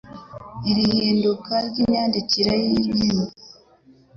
Iri hinduka ry'imyandikyire y'ururimi